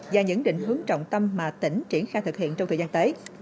và những định hướng trọng tâm mà tỉnh triển khai thực hiện trong thời gian tới